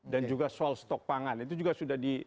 dan juga soal stok pangan itu juga sudah